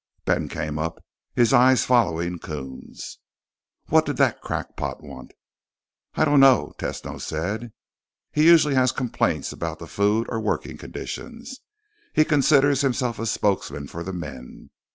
Ben came up, his eyes following Coons. "What did that crackpot want?" "I don't know," Tesno said. "He usually has complaints about the food or working conditions. He considers himself a spokesman for the men.